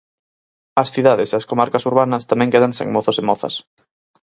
As cidades e as comarcas urbanas tamén quedan sen mozos e mozas.